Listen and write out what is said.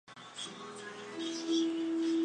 中华水芹是伞形科水芹属的植物。